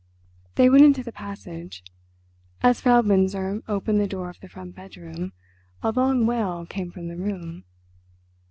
They went into the passage. As Frau Binzer opened the door of the front bedroom, a long wail came from the room.